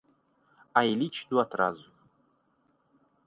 A elite do atraso